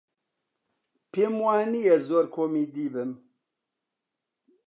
پێم وا نییە زۆر کۆمیدی بم.